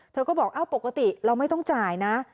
เธอก็บอกปกติเราไม่ต้องจ่ายนะ